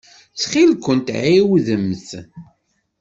Ttxil-kent ɛiwdemt.